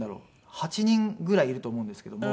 ８人ぐらいいると思うんですけども。